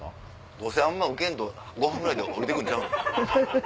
どうせあんまウケんと５分で降りて来るんちゃうの？